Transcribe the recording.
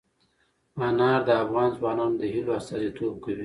انار د افغان ځوانانو د هیلو استازیتوب کوي.